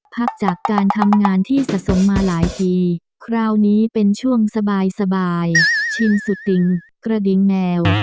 พักจากการทำงานที่สะสมมาหลายทีคราวนี้เป็นช่วงสบายชินสุติงกระดิงแมว